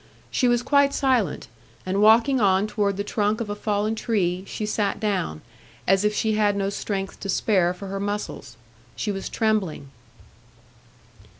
She was quite silent, and walking on toward the trunk of a fallen tree, she sat down, as if she had no strength to spare for her muscles. She was trembling.